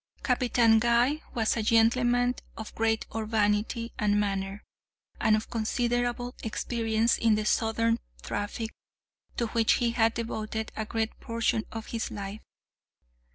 Captain Guy was a gentleman of great urbanity of manner, and of considerable experience in the southern traffic, to which he had devoted a great portion of his life.